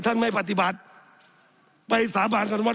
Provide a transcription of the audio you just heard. สับขาหลอกกันไปสับขาหลอกกันไป